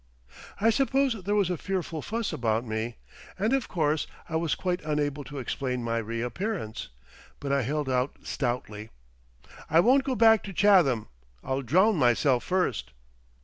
I suppose there was a fearful fuss about me. And of course I was quite unable to explain my reappearance. But I held out stoutly, "I won't go back to Chatham; I'll drown myself first."